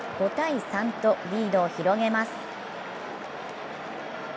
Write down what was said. ５−３とリードを広げます。